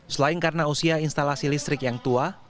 selain karena usia instalasi listrik yang tua